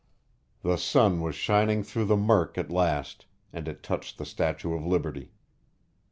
The sun was shining through the murk at last, and it touched the Statue of Liberty.